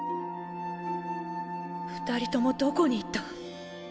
２人ともどこに行った？